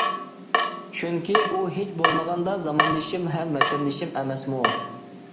چۈنكى، ئۇ ھېچ بولمىغاندا زاماندىشىم ھەم ۋەتەندىشىم ئەمەسمۇ؟ !